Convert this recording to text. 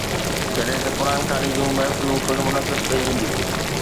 جڏهن ته قرآن خواني جون محفلون پڻ منعقد ڪيون وينديون.